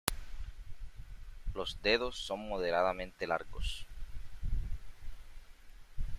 Los dedos son moderadamente largos.